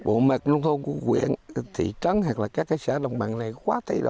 bộ mặt nông thôn của huyện thị trấn hay các xã đồng bằng